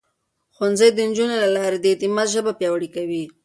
ښوونځی د نجونو له لارې د اعتماد ژبه پياوړې کوي.